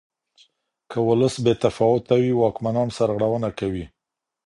که ولس بې تفاوته وي واکمنان سرغړونه کوي.